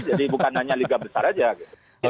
jadi bukan hanya liga besar saja